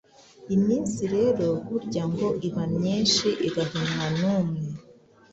Iminsi rero burya ngo iba myinshi igahimwa n'umwe